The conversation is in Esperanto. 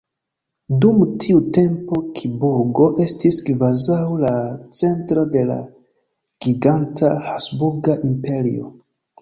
Dum tiu tempo Kiburgo estis kvazaŭ la centro de la giganta habsburga imperio.